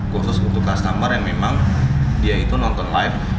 khusus untuk customer yang memang dia itu nonton live